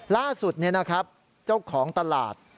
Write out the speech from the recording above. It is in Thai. ล่าสุดนะครับเจ้าของตลาด